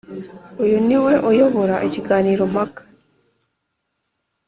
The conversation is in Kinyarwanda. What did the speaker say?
Uyu ni we uyobora ikiganiro mpaka